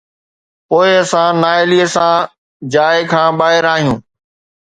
پوءِ اسان نااهليءَ سان جاءِ کان ٻاهر آهيون